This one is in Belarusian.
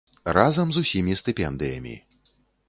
Разам з усімі стыпендыямі.